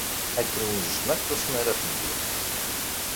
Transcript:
Ad kem-nejjem akk asmi ara tedduḍ.